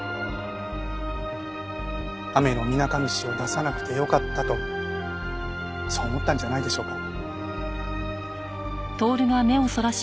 アメノミナカヌシを出さなくてよかったとそう思ったんじゃないでしょうか。